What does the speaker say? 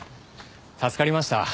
助かりました。